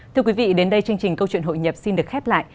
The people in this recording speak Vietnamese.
thưa quý vị đến đây chương trình câu chuyện hội nhập xin được khép lại